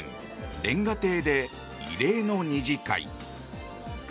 煉瓦亭で異例の二次会。